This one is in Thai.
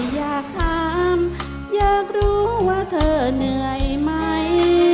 อยากถามอยากรู้ว่าเธอเหนื่อยไหม